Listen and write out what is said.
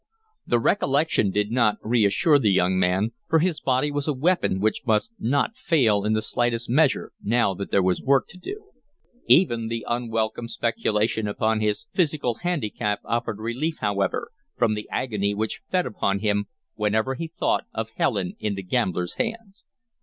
The recollection did not reassure the young man, for his body was a weapon which must not fail in the slightest measure now that there was work to do. Even the unwelcome speculation upon his physical handicap offered relief, however, from the agony which fed upon him whenever he thought of Helen in the gambler's hands.